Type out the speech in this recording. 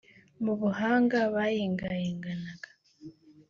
mu buhanga bayingayinganaga